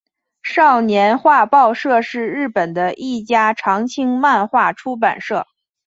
少年画报社是日本的一家长青漫画出版社。